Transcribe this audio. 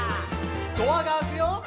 「ドアが開くよ」